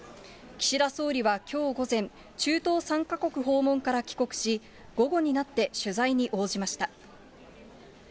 岸田総理はきょう午前、中東３か国訪問から帰国し、午後になって取材に応じました。